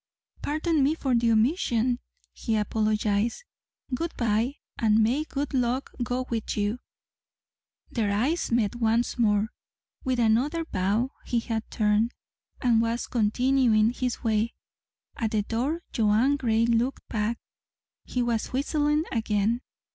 "Pardon me for the omission," he apologized. "Good bye and may good luck go with you!" Their eyes met once more. With another bow he had turned, and was continuing his way. At the door Joanne Gray looked back. He was whistling again.